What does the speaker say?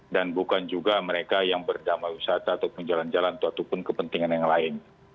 dan bukan juga mereka yang berdama wisata atau menjalan jalan atau kepentingan yang lain